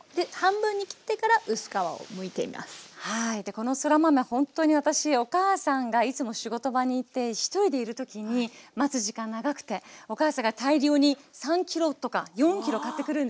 このそら豆ほんとに私お母さんがいつも仕事場にいて一人でいる時に待つ時間長くてお母さんが大量に３ｋｇとか４ｋｇ買ってくるんですよ。